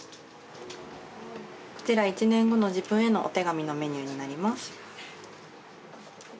こちら１年後の自分へのお手紙のメニューになります。